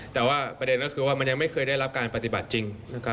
แต่ว่าประเด็นก็คือว่ามันยังไม่เคยได้รับการปฏิบัติจริงนะครับ